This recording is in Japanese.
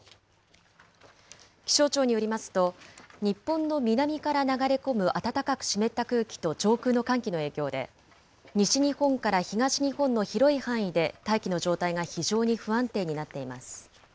気象庁によりますと、日本の南から流れ込む暖かく湿った空気と上空の寒気の影響で、西日本から東日本の広い範囲で、大気の状態が非常に不安定になっています。